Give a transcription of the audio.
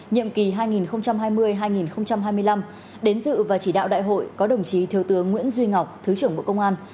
nhiệm kỳ hai nghìn hai mươi hai nghìn hai mươi năm đến dự và chỉ đạo đại hội có đồng chí thiếu tướng nguyễn duy ngọc thứ trưởng bộ công an